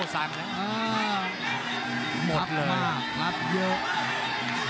ทรัพย์มากทรัพย์เยอะ